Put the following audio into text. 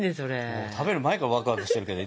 もう食べる前からワクワクしてるけど。